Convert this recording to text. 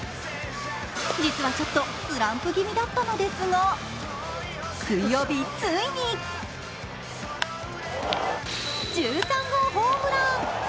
実は、ちょっとスランプ気味だったのですが水曜日、ついに１３号ホームラン。